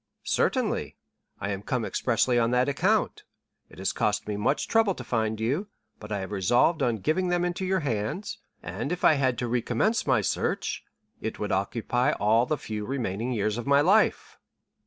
"Certainly; I am come expressly on that account; it has cost me much trouble to find you, but I had resolved on giving them into your hands, and if I had to recommence my search, it would occupy all the few remaining years of my life."